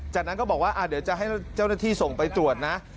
จากนั้นก็บอกว่าเดี๋ยวจะให้เจ้าหน้าที่ส่งไปตรวจนะ